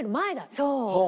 そう。